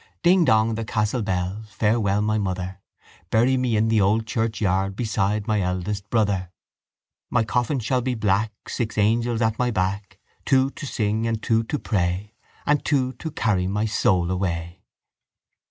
Dingdong! The castle bell! Farewell, my mother! Bury me in the old churchyard Beside my eldest brother. My coffin shall be black, Six angels at my back, Two to sing and two to pray And two to carry my soul away.